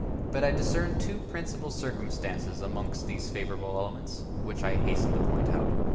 But I discern two principal circumstances amongst these favorable elements, which I hasten to point out.